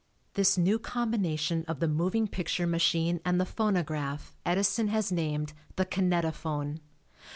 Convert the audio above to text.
This new combination of the moving picture machine and the phonograph Edison has named the kinetophone.